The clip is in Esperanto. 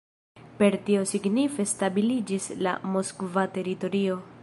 Per tio signife stabiliĝis la moskva teritorio.